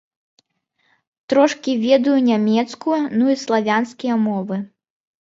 Трошкі ведаю нямецкую, ну і славянскія мовы.